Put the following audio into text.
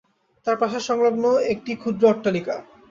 তাহা প্রাসাদসংলগ্ন একটি ক্ষুদ্র অট্টালিকা।